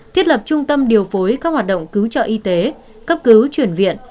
thiết lập trung tâm điều phối các hoạt động cứu trợ y tế cấp cứu chuyển viện